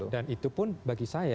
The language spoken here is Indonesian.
dan itu pun bagi saya